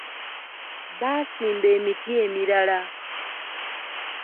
Baasimba emiti emirala.